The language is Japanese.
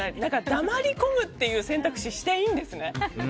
黙り込むっていう選択肢していいんですね。